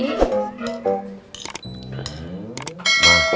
jualan itu apa